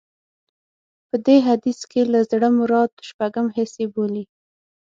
په دې حديث کې له زړه مراد شپږم حس يې بولي.